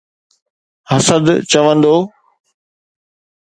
حسد چوندو.